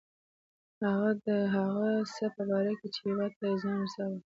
د هغه څه په باره کې چې هیواد ته یې زیان رساوه.